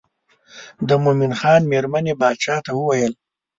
د مومن خان مېرمنې باچا ته وویل.